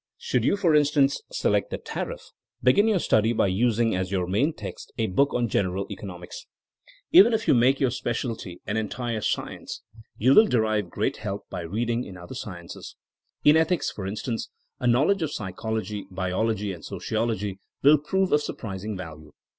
Should you, for in stance, select the tariff, begin your study by us ing as your main text a book on general eco nomics. Even if you make your specialty an entire 190 THINKINO AS A SCIENCE science yon wiU derive great help by reading in other sciences. In ethics, for instance, a knowledge of psychology, biology and sociology will prove of surprising valne.